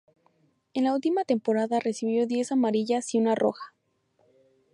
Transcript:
En la última temporada, recibió diez amarillas y una roja.